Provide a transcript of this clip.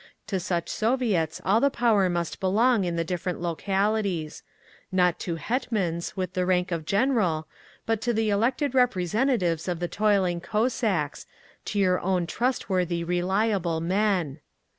To such Soviets all the power must belong in the different localities. Not to hetmans with the rank of General, but to the elected representatives of the toiling Cossacks, to your own trustworthy reliable men.